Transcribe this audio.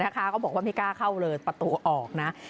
เขาบอกว่าไม่กล้าเข้าเลยประตูออกนะ